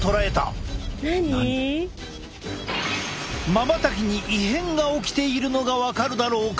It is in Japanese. まばたきに異変が起きているのが分かるだろうか。